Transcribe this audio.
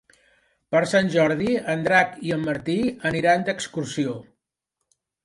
Per Sant Jordi en Drac i en Martí aniran d'excursió.